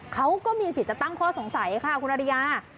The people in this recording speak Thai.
เขาก็มีสิทธิ์จะตั้งข้อสงสัยค่ะคุณอริยา